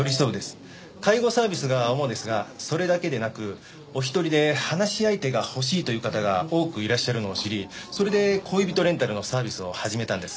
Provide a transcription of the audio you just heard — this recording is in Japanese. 介護サービスが主ですがそれだけでなくお一人で話し相手が欲しいという方が多くいらっしゃるのを知りそれで恋人レンタルのサービスを始めたんです。